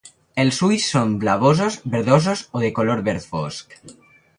Els ulls són blavosos, verdosos o de color verd fosc.